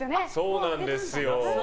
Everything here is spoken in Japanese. そうなんです。